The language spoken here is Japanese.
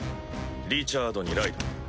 リチャードにライド。